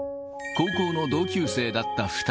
高校の同級生だった２人。